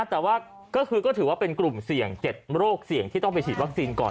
แต่ว่าก็คือก็ถือว่าเป็นกลุ่มเสี่ยง๗โรคเสี่ยงที่ต้องไปฉีดวัคซีนก่อน